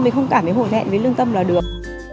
mình không cảm thấy hồ hẹn với lương tâm là được